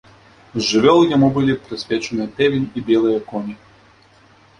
З жывёл яму былі прысвечаны певень і белыя коні.